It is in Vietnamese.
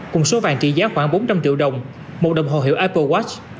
cùng số vàng trị giá khoảng bốn trăm linh triệu đồng một đồng hồ hiệu ipo watch